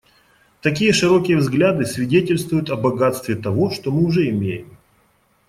Такие широкие взгляды свидетельствуют о богатстве того, что мы уже имеем.